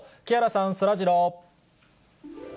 木原さん、そらジロー。